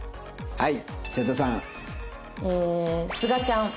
はい。